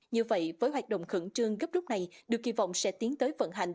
như vậy với hoạt động khẩn trương gấp rút này được kỳ vọng sẽ tiến tới vận hành